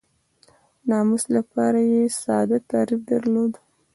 ناموس لپاره یې ساده تعریف درلود.